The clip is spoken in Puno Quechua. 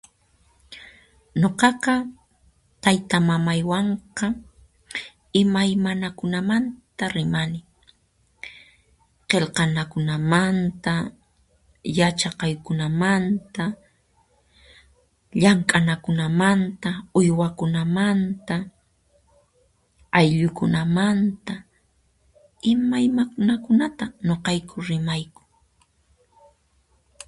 Nuqaqa taytamamaykunawanqa imaymanakunamanta rimani, qilqanakunamanta, yachaqaykunamanta, llank'anakunamanta, uywakunamanta, ayllukunamanta, imaymanakunata nuqayku rimayku.